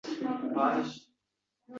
Shuning uchun ham meniki.